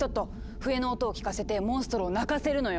笛の音を聞かせてモンストロを鳴かせるのよ！